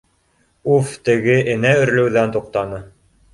Уф, теге энә өрөлөүҙән туҡтаны.